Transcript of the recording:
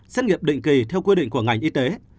xét nghiệm định kỳ theo quy định của ngành y tế